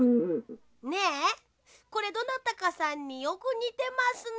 ねえこれどなたかさんによくにてますね。